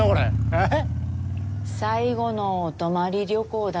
えっ！？